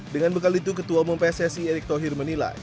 dengan bekal itu ketua mmp ssi erick thohir menilai